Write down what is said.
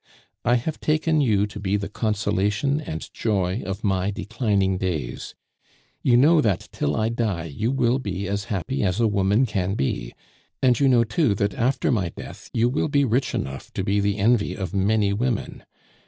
I have taken you to be the consolation and joy of my declining days. You know that till I die you will be as happy as a woman can be; and you know, too, that after my death you will be rich enough to be the envy of many women.